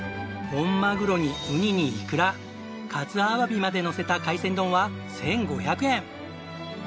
本マグロにウニにイクラ活アワビまでのせた海鮮丼は１５００円。